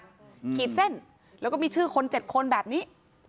ขีดเส้นแล้วก็มีชื่อคนเจ็ดคนแบบนี้